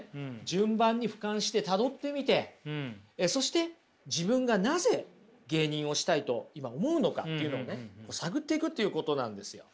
順番にふかんしてたどってみてそして自分がなぜ芸人をしたいと今思うのかっていうのをね探っていくということなんですよ。